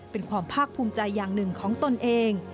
เป็นความภาคภูมิใจอย่างหนึ่งของตนเอง